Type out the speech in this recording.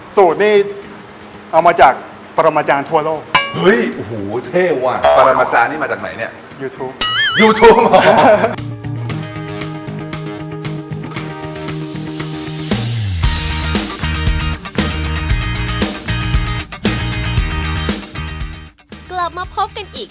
สูตรนี่เอามาจากปรมาจารย์ทั่วโลก